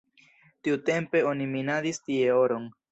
Tiutempe oni minadis tie oron.